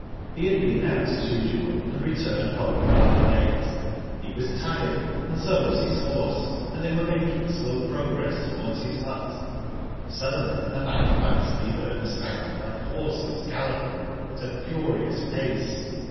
'* He had been out as usual, and returned home rather late. He was tired, and so was his horse, and they were making slow progress towards his hut. 'Suddenly the man fancied he heard a sound like horses galloping at a furious pace.